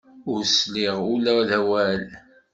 Ur sliɣ ula d awal.